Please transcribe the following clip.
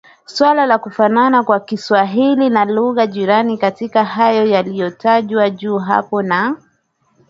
suala la kufanana kwa Kiswahili na lugha jirani katika hayo yaliyotajwa hapo juu na